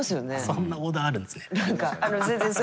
そんなオーダーあるんですね。